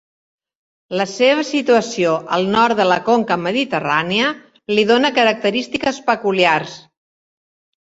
La seva situació al nord de la Conca Mediterrània li dona característiques peculiars.